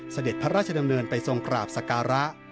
เสด็จพระราชดำเนินไปทรงกราบสการะ